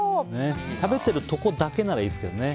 食べてるところだけならいいですけどね。